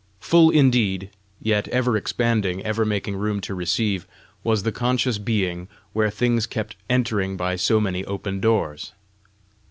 Full indeed yet ever expanding, ever making room to receive was the conscious being where things kept entering by so many open doors!